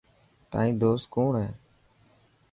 تائن دوست ڪوڻ هي.